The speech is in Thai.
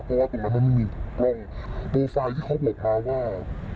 เพราะว่าตรงนั้นมันไม่มีกล้องโปรไฟล์ที่เขาบอกมาว่า